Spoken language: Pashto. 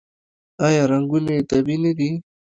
آیا رنګونه یې طبیعي نه دي؟